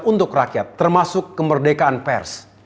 untuk rakyat termasuk kemerdekaan pers